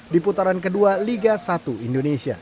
di putaran kedua liga sampai jumpa